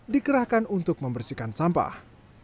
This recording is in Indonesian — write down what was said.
dikerahkan untuk membersihkan sampah